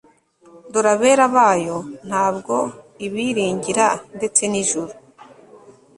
Dore abera bayo ntabwo ibiringira Ndetse n ijuru